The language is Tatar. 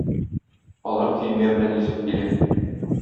Алар көймә белән йөзеп килә.